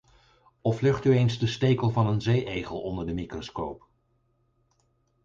Of legt u eens de stekel van een zee-egel onder de microscoop.